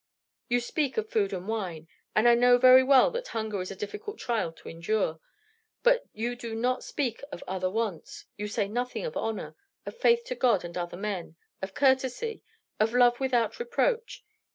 You speak of food and wine, and I know very well that hunger is a difficult trial to endure; but you do not speak of other wants; you say nothing of honor, of faith to God and other men, of courtesy, of love without reproach.